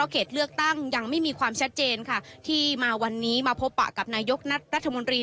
เขตเลือกตั้งยังไม่มีความชัดเจนค่ะที่มาวันนี้มาพบปะกับนายกรัฐมนตรี